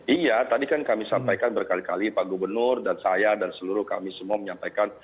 iya tadi kan kami sampaikan berkali kali pak gubernur dan saya dan seluruh kami semua menyampaikan